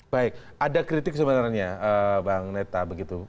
baik ada kritik sebenarnya bang neta begitu